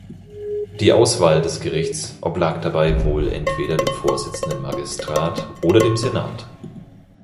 Die Auswahl des Gerichts oblag dabei wohl entweder dem vorsitzenden Magistrat oder dem Senat.